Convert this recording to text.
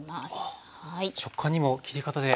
あ食感にも切り方で。